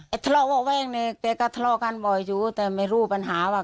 ทะเลาะเบาะแว้งเนี่ยแกก็ทะเลาะกันบ่อยอยู่แต่ไม่รู้ปัญหาว่า